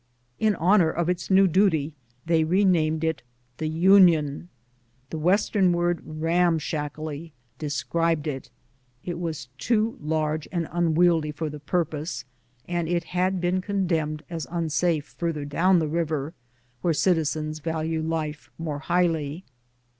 In honor of its new duty they renamed it The Union. The Western word " ram shackly " described it. It was too large and unwieldy for the purpose, and it had been condemned as unsafe farther down the river, where citizens value life more highly.